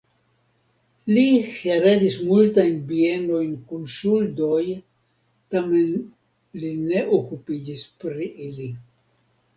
Li heredis multajn bienojn kun ŝuldoj, tamen li ne okupiĝis pri ili.